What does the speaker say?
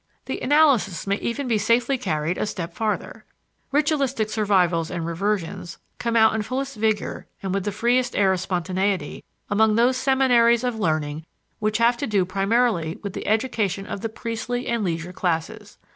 The analysis may even be safely carried a step farther. Ritualistic survivals and reversions come out in fullest vigor and with the freest air of spontaneity among those seminaries of learning which have to do primarily with the education of the priestly and leisure classes.